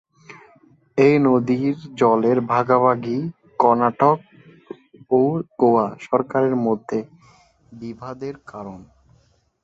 এই নদীর জলের ভাগাভাগি কর্ণাটক ও গোয়া সরকারের মধ্যে বিবাদের কারণ।